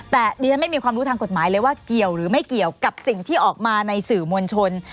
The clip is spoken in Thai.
แต่ดิฉันไม่มีความรู้ทางกฎหมายเลยว่าเกี่ยวหรือไม่เกี่ยวกับสิ่งที่ออกมาในสื่อมวลชน